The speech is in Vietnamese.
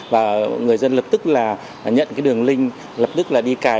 và người dân lập tức là nhận cái đường link lập tức là đi cài